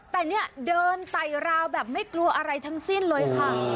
แต่เนี่ยเดินไต่ราวแบบไม่กลัวอะไรทั้งสิ้นเลยค่ะ